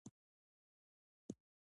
ښکلا د انسان په سترګو کې وي.